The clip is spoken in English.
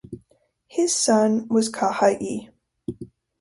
His son was Kaha'i.